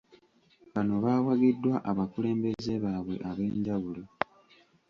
Bano baawagiddwa abakulembeze baabwe ab'enjawulo.